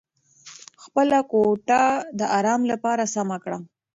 خپله کوټه د ارام لپاره سمه کړه.